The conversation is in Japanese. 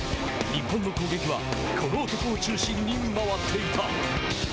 日本の攻撃はこの男を中心に回っていた。